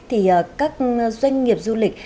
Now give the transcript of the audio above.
thì các doanh nghiệp du lịch